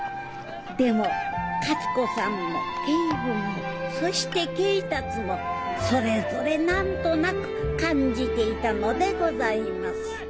でも勝子さんも恵文もそして恵達もそれぞれ何となく感じていたのでございます。